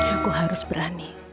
aku harus berani